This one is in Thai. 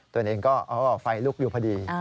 ตัวเองก็ไฟลุกอยู่พอดี